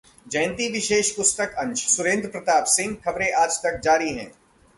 जयंती विशेष-पुस्तक अंशः सुरेंद्र प्रताप सिंह, खबरें आज तक जारी हैं